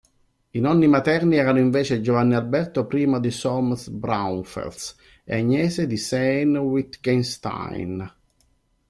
I nonni materni erano invece Giovanni Alberto I di Solms-Braunfels e Agnese di Sayn-Wittgenstein.